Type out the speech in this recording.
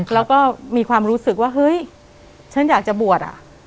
แล้วก็มีความรู้สึกว่าเฮ้ยฉันอยากจะบวชอ่ะ